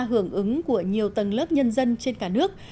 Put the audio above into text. hưởng ứng của nhiều tầng lớp nhân dân trên cả nước